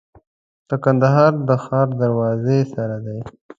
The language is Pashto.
د کندهار د ښار دروازې سره دی.